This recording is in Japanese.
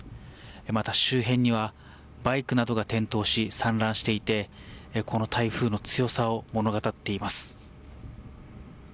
また、周辺にバイクなどが転倒し散乱していてこの台風の強さを物語っています。